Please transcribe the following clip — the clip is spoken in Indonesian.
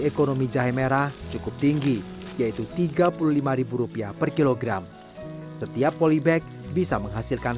ekonomi jahe merah cukup tinggi yaitu tiga puluh lima rupiah per kilogram setiap polybag bisa menghasilkan